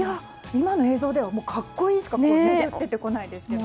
今の映像では格好いいしか出てこないですけども。